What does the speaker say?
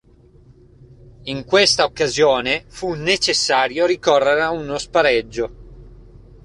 In questa occasione fu necessario ricorre a uno spareggio.